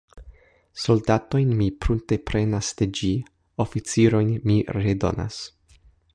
Soldatojn mi prunteprenas de ĝi, oficirojn mi redonas.